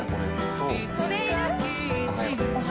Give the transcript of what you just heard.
いつかキッチンを